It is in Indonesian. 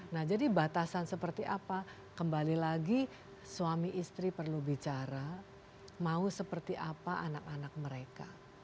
nah jadi batasan seperti apa kembali lagi suami istri perlu bicara mau seperti apa anak anak mereka